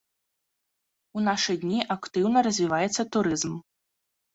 У нашы дні актыўна развіваецца турызм.